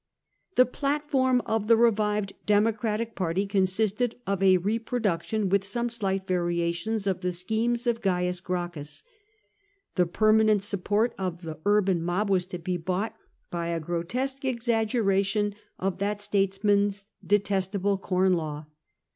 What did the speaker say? The "platform'' of the revived Democratic party consisted of a reproduction, with some slight variations, of the schemes of Cains Gracchus. The permanent support of the urban mob was to be bought by a grotesque exaggeration of that statesman's detestable corn law.